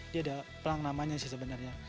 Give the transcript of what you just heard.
dia ada pelang namanya sih sebenarnya